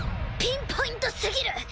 ピンポイントすぎる！